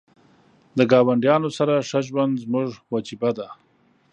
د ګاونډیانو سره ښه ژوند زموږ وجیبه ده .